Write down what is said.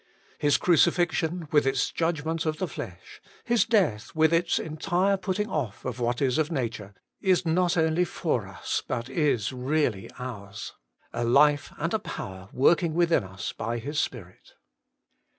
His crucifixion, with its judg ment of the flesh, His death, with its entire putting off of what is of nature, is not only for us, but is really ours ; a life and a power working within ug by His Spirit.